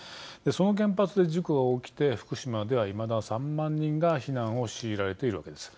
その原発で事故が起きて福島ではいまだ３万人が避難を強いられているわけです。